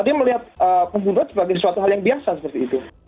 dia melihat pembunuhan sebagai suatu hal yang biasa seperti itu